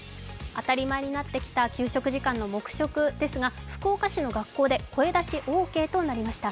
当たり前になってきた給食時間の黙食ですが福岡市の学校で声出しオーケーとなりました。